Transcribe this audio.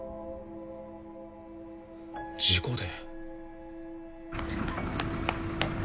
事故で？